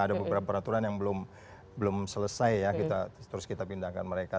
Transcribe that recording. ada beberapa peraturan yang belum selesai ya terus kita pindahkan mereka